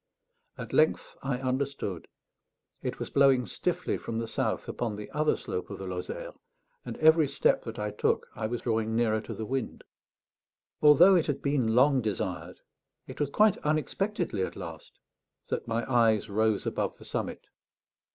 At length I understood. It was blowing stiffly from the south upon the other slope of the Lozère, and every step that I took I was drawing nearer to the wind. Although it had been long desired, it was quite unexpectedly at last that my eyes rose above the summit.